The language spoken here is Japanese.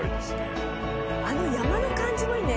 あの山の感じもいいね。